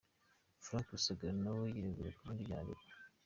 Frank Rusagara na we yiregura ku bindi byaha aregwa.